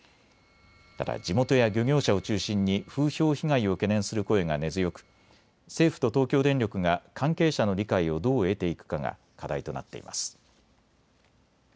ただ地元や漁業者を中心に風評被害を懸念する声が根強く政府と東京電力が関係者の理解をどう得ていくかが課題となっています。